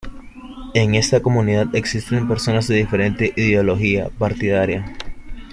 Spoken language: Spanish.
En esta comunidad existen personas de diferente ideología partidaria.